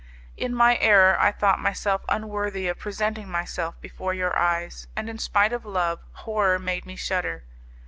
In my error I thought myself unworthy of presenting myself before your eyes, and, in spite of love, horror made me shudder.